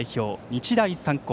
日大三高。